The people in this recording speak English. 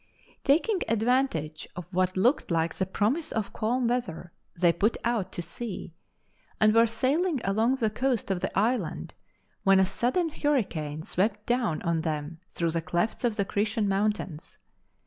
Taking advantage of what looked like the promise of calm weather, they put out to sea, and were sailing along the coast of the island when a sudden hurricane swept down on them through the clefts of the Cretan Mountains.